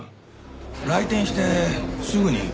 来店してすぐに。